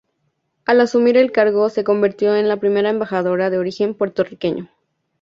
Al asumir el cargo se convirtió en la primera embajadora de origen puertorriqueño.